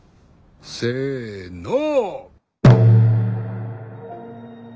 せの！